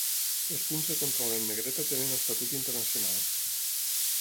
Els punts de control en negreta tenen estatut internacional.